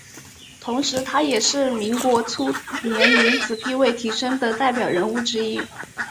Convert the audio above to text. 同时她也是民国初年女子地位提升的代表人物之一。